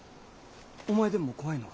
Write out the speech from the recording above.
お前でも怖いのか？